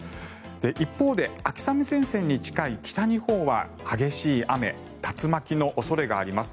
一方で、秋雨前線に近い北日本は激しい雨竜巻の恐れがあります。